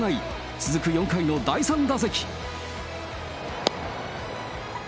続く４回の第３打席。